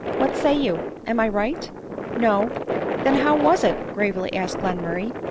What say you? Am I right?" " No." " Then how was it ?" gravely asked Glen murray.